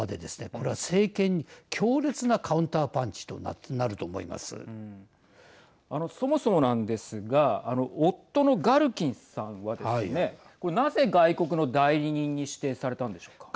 これは政権に強烈なカウンターパンチとなるそもそもなんですが夫のガルキンさんはですねなぜ、外国の代理人に指定されたんでしょうか。